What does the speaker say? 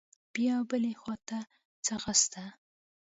بيا بلې خوا ته ځغسته.